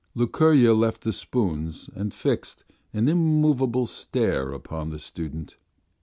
Lukerya left the spoons and fixed an immovable stare upon the student.